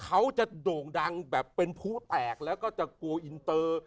เขาจะโด่งดังแบบเป็นผู้แตกแล้วก็จะกลัวอินเตอร์